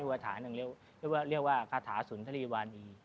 กรรมฐานเรียกว่ากรรมฐานนี้ว่ากรรทาสุนทรีวานี